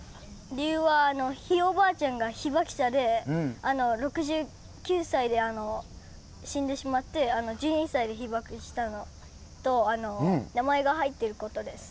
理由はひいおばあちゃんが被爆者で、６９歳で死んでしまって、１２歳で被爆したのと、名前が入ってることです。